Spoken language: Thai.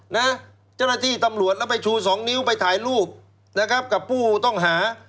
เจ้าหน้าที่ตำรวจแล้วไปชูสองนิ้วไปถ่ายรูปนะครับกับผู้ต้องหา